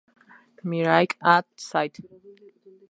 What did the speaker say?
Miracle at St.